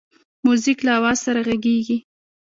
موزیک له آواز سره غږیږي.